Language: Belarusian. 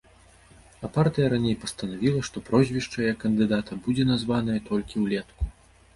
А партыя раней пастанавіла, што прозвішча яе кандыдата будзе названае толькі ўлетку.